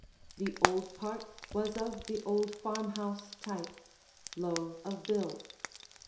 The old part was of the old farmhouse type, low of build.